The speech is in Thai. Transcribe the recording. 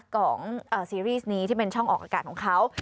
ของซีรีส์นี้ที่เป็นช่องออกอากาศของเขา